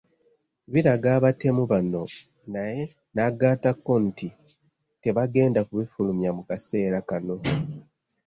Biraga abatemu bano naye n’agattako nti tebagenda kubifulumya mu kaseera kano.